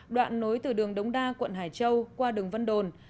đoạn nối từ đường đống đa quận hải châu qua đường vân đồn